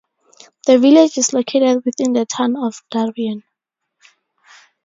The village is located within the Town of Darien.